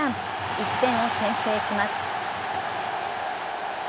１点を先制します。